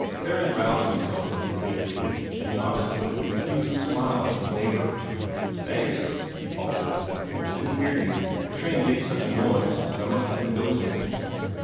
Theron roused himself from his day dream, and nodded with a confused smile at his neighbor. "Thanks," he faltered; "I didn't hear you. The train makes such a noise, and I must have been dozing."